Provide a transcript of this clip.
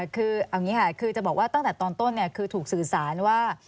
คือเอาอย่างนี้ค่ะคือจะบอกว่าตั้งแต่ตอนต้นคือถูกสื่อสารว่า